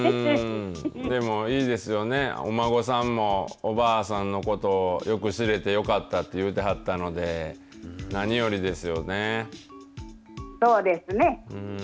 でもいいですよねお孫さんもおばあさんのことをよく知れてよかったって言ってはったのでそうですね。